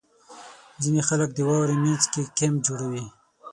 • ځینې خلک د واورې مینځ کې کیمپ جوړوي.